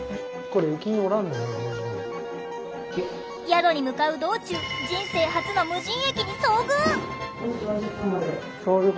宿に向かう道中人生初の無人駅に遭遇。